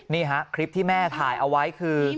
นี่ฮะคลิปที่แม่ถ่ายเอาไว้คือ